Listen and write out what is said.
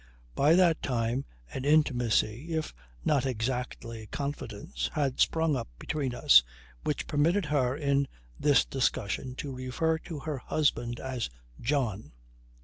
By that time an intimacy if not exactly confidence had sprung up between us which permitted her in this discussion to refer to her husband as John.